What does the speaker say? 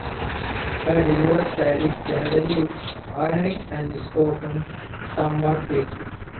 Her delivery style is generally ironic and spoken somewhat quickly.